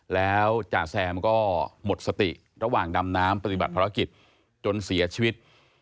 แล้วจ่าแซมก็หมดสติระหว่างดำน้ำปฏิบัติภารกิจจนเสียชีวิต